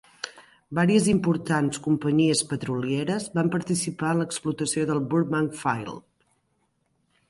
Varies importants companyies petrolieres van participar en la explotació del "Burbank Field".